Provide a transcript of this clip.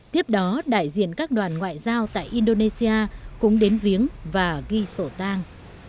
tiếp đó đại diện các đoàn ngoại giao tại indonesia cũng đến viếng và ghi sổ tang